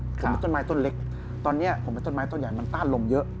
ผมเป็นต้นไม้ต้นเล็กตอนนี้ผมเป็นต้นไม้ต้นใหญ่มันต้านลงเยอะ